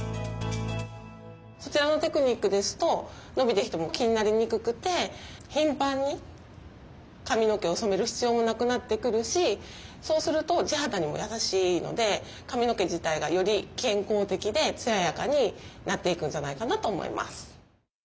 そちらのテクニックですと伸びてきても気になりにくくて頻繁に髪の毛を染める必要もなくなってくるしそうすると地肌にも優しいので髪の毛自体がより健康的で艶やかになっていくんじゃないかなと思います。